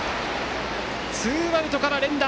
ツーアウトから連打。